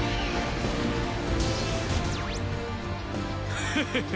フフフフ。